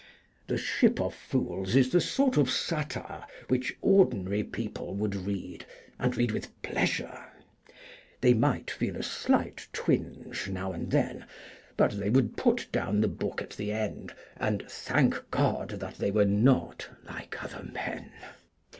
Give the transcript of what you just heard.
The 'Ship of Fools' is the sort of satire which ordinary people would read, and read with pleasure. They might feel a slight twinge now and then, but they would put down the book at the end, and thank God that they were not like other men.